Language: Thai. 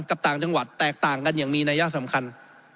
ต่างจังหวัดแตกต่างกันอย่างมีนัยสำคัญ